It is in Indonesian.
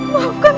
makan aku ibu dah